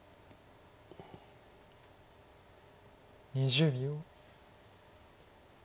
２０秒。